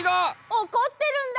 おこってるんだ！